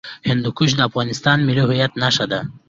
هندوکش د افغانستان د ملي هویت نښه ده.